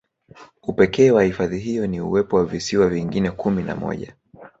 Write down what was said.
Upekee wa hifadhi hiyo ni uwepo wa visiwa vingine kumi na moja